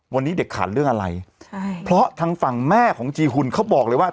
วันนี้เด็กขาดเรื่องอะไรใช่เพราะทางฝั่งแม่ของจีหุ่นเขาบอกเลยว่า